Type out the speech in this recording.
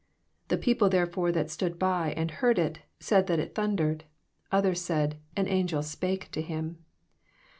29 The people therefore, that stood by, and heard t^, said that it thundered : others said, An angel spake to him.